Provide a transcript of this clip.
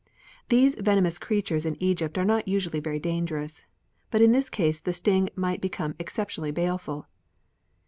These venomous creatures in Egypt are not usually very dangerous, but in this case the sting might become exceptionally baleful.